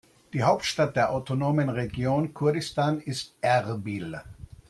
Die Hauptstadt der autonomen Region Kurdistan ist Erbil.